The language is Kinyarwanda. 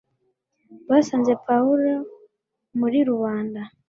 basanze pawulo muri rubanda